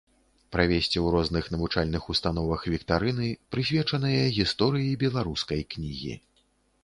Правесці ў розных навучальных установах віктарыны, прысвечаныя гісторыі беларускай кнігі.